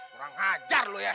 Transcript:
kurang hajar lu ya